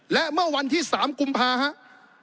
และเมื่อวันที่๓กุมภาครับ